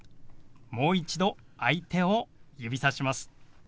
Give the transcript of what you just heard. もう一度相手を指さします。